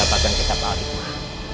aku mendapatkan kitab al ikhmaah